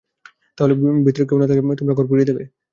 তাহলে ভিতরে কেউ না থাকলে, তোমরা ঘর পুড়িয়ে দিবে?